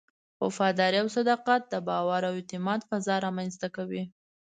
وفاداري او صداقت د باور او اعتماد فضا رامنځته کوي.